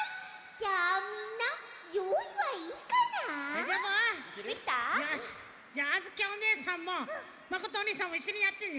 じゃああづきおねえさんもまことおにいさんもいっしょにやってね。